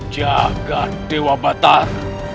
jaga dewa batar